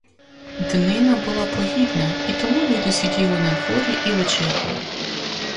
Днина була погідна, і тому люди сиділи надворі і вечеряли.